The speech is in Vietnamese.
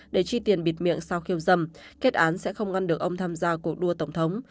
để chi tiền bịt miệng sau khiêu dâm kết án sẽ không ngăn được ông tham gia cuộc đua tổng thống